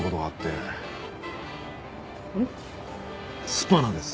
スパナです。